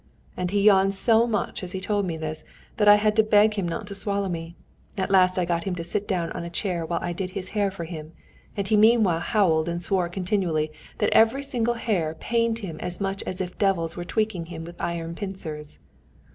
And he yawned so much as he told me this, that I had to beg him not to swallow me. At last I got him to sit down on a chair while I did his hair for him, and he meanwhile howled and swore continually that every single hair pained him as much as if devils were tweaking him with iron pincers."